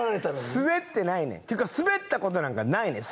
スベってないねん。というか、スベったことなんかないねん。